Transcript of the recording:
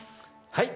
はい。